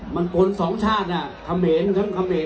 มันโกนสองชาติอ่ะไทยอ่ะโกนกันหรอ